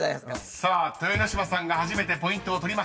［さあ豊ノ島さんが初めてポイントを取りました］